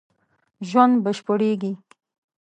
ژوند بشپړېږي